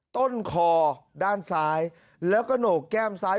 ต้นคอด้านซ้ายแล้วก็โหนกแก้มซ้าย